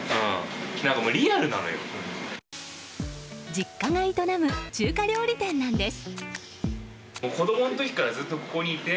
実家が営む中華料理店なんです。